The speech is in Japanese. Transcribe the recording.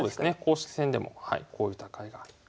公式戦でもこういう戦いがありますね。